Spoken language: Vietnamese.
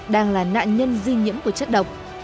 đang là nạn nhân di nhiễm của chất độc